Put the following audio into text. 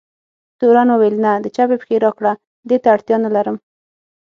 تورن وویل: نه، د چپې پښې راکړه، دې ته اړتیا نه لرم.